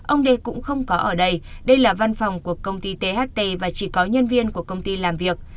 ông đê cũng không có ở đây đây là văn phòng của công ty tht và chỉ có nhân viên của công ty làm việc